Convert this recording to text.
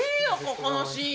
ここのシーン。